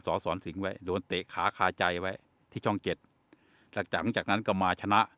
สศศ์สิงไว้โดนเตะขาคาใจไว้ที่ช่อง๗จากนั้นก็มาชนะ